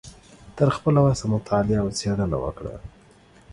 تر خپله وسه مطالعه او څیړنه وکړه